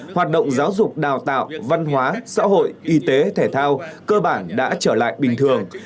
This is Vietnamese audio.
hoạt động giáo dục đào tạo văn hóa xã hội y tế thể thao cơ bản đã trở lại bình thường